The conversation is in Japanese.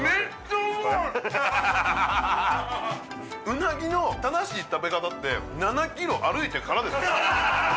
うなぎの正しい食べ方って７ｋｍ歩いてからです